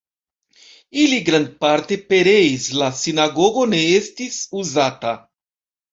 Ili grandparte pereis, la sinagogo ne estis uzata.